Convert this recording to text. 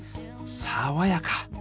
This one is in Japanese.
爽やか！